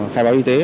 khai báo y tế